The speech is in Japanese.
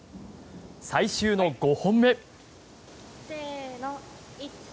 最終の５本目。